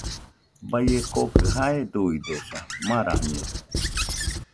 Baie kookɨ jae duidesa, marañede